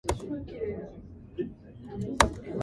Hence came the proverb which Strabo mentions.